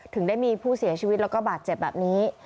ถึงได้มีผู้เสียชีวิตแล้วก็บาดเจ็บแบบนี้